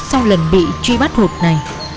sau lần bị truy bắt hộp này